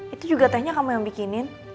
itu juga tehnya kamu yang bikinin